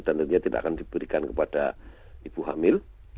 dan tentunya tidak akan diberikan kepada ibu hamil